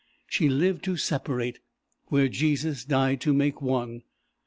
She lived to separate, where Jesus died to make one!